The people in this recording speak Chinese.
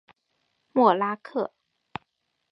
默拉克。